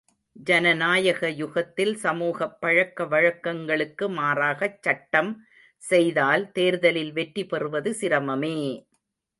ஜனநாயக யுகத்தில் சமூகப் பழக்க வழக்கங்களுக்கு மாறாகச் சட்டம் செய்தால் தேர்தலில் வெற்றி பெறுவது சிரமமே!